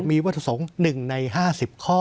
มีวัตถุสงค์๑ใน๕๐ข้อ